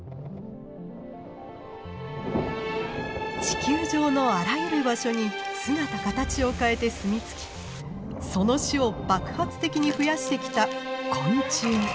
地球上のあらゆる場所に姿形を変えて住みつきその種を爆発的に増やしてきた昆虫。